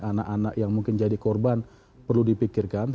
anak anak yang mungkin jadi korban perlu dipikirkan